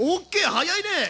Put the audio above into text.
早いね！